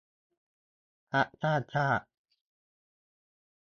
พรรคสร้างชาติ